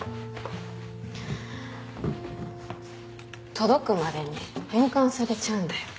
届くまでに変換されちゃうんだよ。